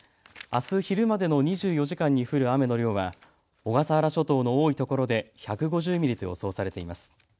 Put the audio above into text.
あす昼までの２４時間に降る雨の量は小笠原諸島の多いところで１５０ミリと予想されています。